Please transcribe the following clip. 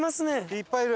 いっぱいいる。